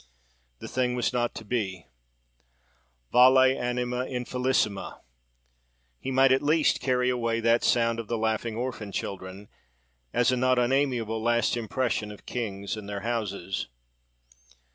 The thing was not to be—Vale! anima infelicissima!—He might at least carry away that sound of the laughing orphan children, as a not unamiable last impression of kings and their houses.